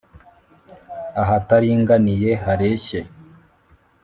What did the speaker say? ahataringaniye hareshye